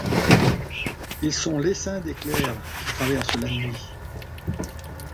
Ils sont l'essaim d'éclairs qui traverse la nuit.